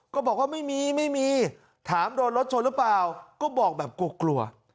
ก็บอกว่าไม่มีไม่มีถามโดนรถชนหรือเปล่าก็บอกแบบกลัวกลัว